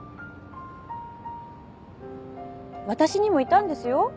私にもいたんですよ。